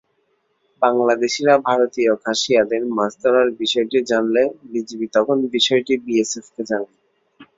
বাংলাদেশিরা ভারতীয় খাসিয়াদের মাছ ধরার বিষয়টি জানালে বিজিবি তখন বিষয়টি বিএসএফকে জানায়।